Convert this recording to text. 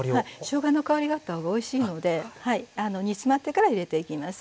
しょうがの香りがあった方がおいしいので煮詰まってから入れていきます。